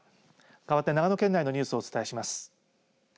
かわって長野県内のニュースをお伝えします。